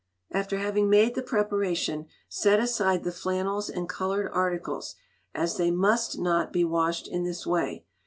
After having made the Preparation, set aside the flannels and coloured articles, as they must not be washed in this way.